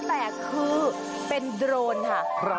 แต่คือเป็นโดรนค่ะ